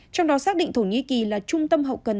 trong đó xác định thổ nhĩ kỳ là trung tâm hậu cần